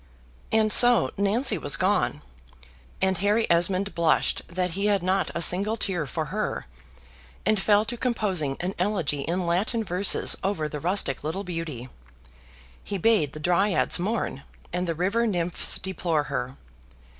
And so Nancy was gone; and Harry Esmond blushed that he had not a single tear for her, and fell to composing an elegy in Latin verses over the rustic little beauty. He bade the dryads mourn and the river nymphs deplore her.